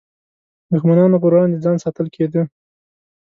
دښمنانو پر وړاندې ځان ساتل کېده.